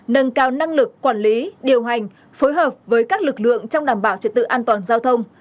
nâng cao năng lực quản lý điều hành phối hợp với các lực lượng trong đảm bảo trật tự an toàn giao thông